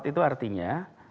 empat itu artinya